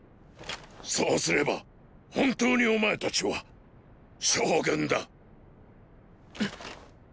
そうすれば本当にお前たちはーー“将軍”だ。っ！